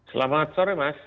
selamat sore mas